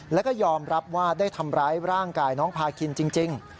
แล้วก็ยอมรับว่าได้ทำร้ายร่างกายน้องพาคินจริง